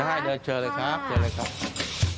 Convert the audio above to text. ได้เดี๋ยวเจอเลยครับเจอเลยครับค่ะค่ะ